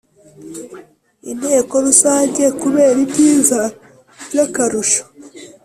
Inteko Rusange kubera ibyiza by akarusho